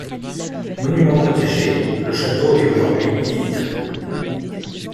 Monument protégé, le château est aujourd'hui vide.